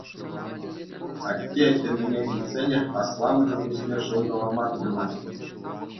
«Атте» тенине илтсенех асламӑшӗ куҫне шӑлкалама тытӑнать.